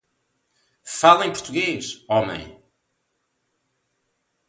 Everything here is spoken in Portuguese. Fale em português, homem!